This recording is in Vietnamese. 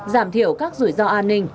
giảm thiểu các rủi ro an ninh